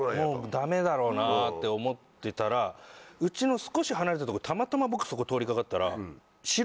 ダメだろうなって思ってたら家の少し離れた所にたまたま僕そこ通りかかったら。